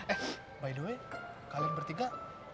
eh by the way kalian bertiga kesini aja